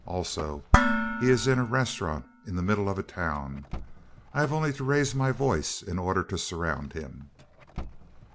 Also, he is in a restaurant in the middle of a town. I have only to raise my voice in order to surround him."